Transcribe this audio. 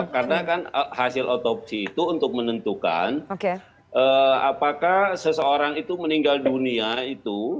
karena kan hasil otopsi itu untuk menentukan apakah seseorang itu meninggal dunia itu